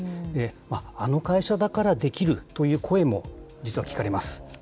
あの会社だからできるという声も実は聞かれます。